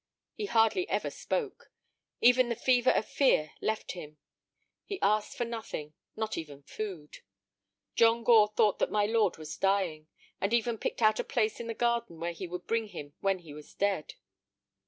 He hardly ever spoke. Even the fever of fear left him. He asked for nothing, not even food. John Gore thought that my lord was dying, and even picked out a place in the garden where he would bring him when he was dead.